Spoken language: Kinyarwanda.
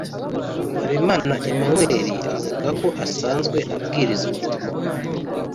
Habineza Emmanuel avuga ko asanzwe abwiriza ubutumwa